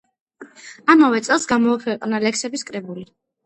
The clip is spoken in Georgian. ამავე წელს გამოაქვეყნა ლექსების კრებული.